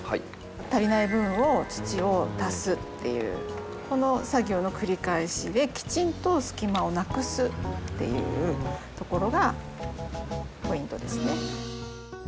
足りない部分を土を足すっていうこの作業の繰り返しできちんと隙間をなくすっていうところがポイントですね。